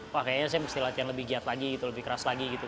wah kayaknya saya mesti latihan lebih giat lagi gitu lebih keras lagi gitu